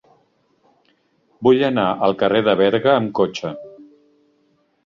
Vull anar al carrer de Berga amb cotxe.